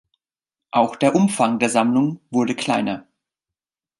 Auch der Umfang der Sammlung wurde kleiner.